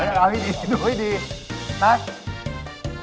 ๘โ้งเช้า